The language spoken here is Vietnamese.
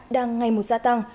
đang ngày một gia tăng